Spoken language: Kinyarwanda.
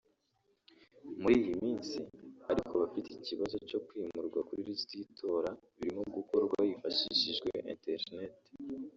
muri iyi minsi ariko abafite ikibazo cyo kwimurwa kuri lisiti y’itora birimo gukorwa hifashishijwe internet